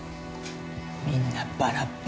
みんなバラバラ。